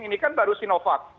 ini kan baru sinovac